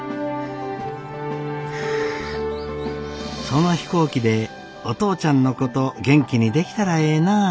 その飛行機でお父ちゃんのこと元気にできたらええなぁ。